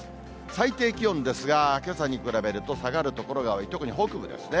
最低気温ですが、けさに比べると下がる所が多い、とくに北部ですね。